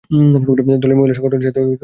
দলের মহিলা সংগঠনের সাথে যুক্ত ছিলেন।